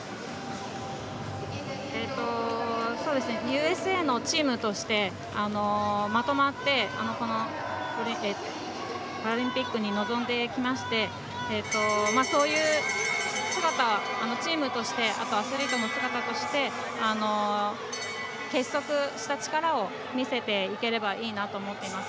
ＵＳＡのチームとしてまとまってパラリンピックに臨んできましてそういう姿、チームとしてあとアスリートの姿として結束した力を見せていければいいなと思っています。